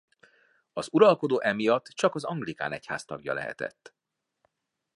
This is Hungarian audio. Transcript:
Az uralkodó emiatt csak az anglikán egyház tagja lehetett.